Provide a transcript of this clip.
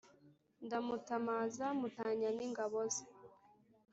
Ndamutamaza mutanya n'ingabo ze,